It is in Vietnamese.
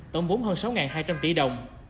tổng vốn hơn sáu hai trăm linh tỷ đồng